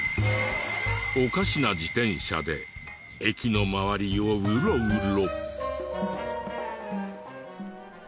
おかしな自転車で駅の周りをうろうろ。